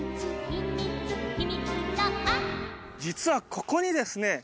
実はここにですね